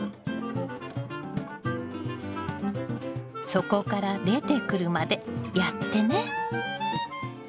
底から出てくるまでやってね。